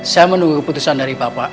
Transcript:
saya menunggu putusan dari bapak